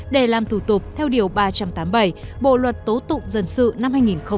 để làm thủ tục theo điều ba trăm tám mươi bảy bộ luật tố tụng dân sự năm hai nghìn một mươi năm